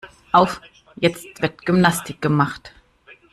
Auf, jetzt wird Gymnastik gemacht.